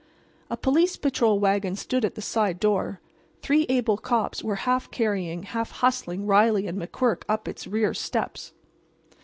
A police patrol wagon stood at the side door. Three able cops were half carrying, half hustling Riley and McQuirk up its rear steps.